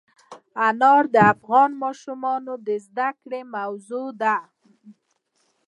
انار د افغان ماشومانو د زده کړې موضوع ده.